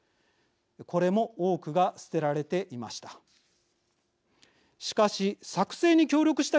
これも多くが捨てられていました。